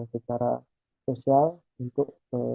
secara sosial untuk